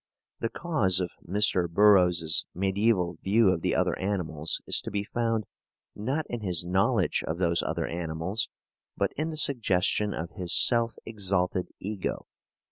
The cause of Mr. Burroughs's mediaeval view of the other animals is to be found, not in his knowledge of those other animals, but in the suggestion of his self exalted ego.